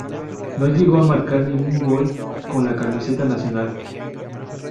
No llegó a marcar ningún gol con la camiseta nacional.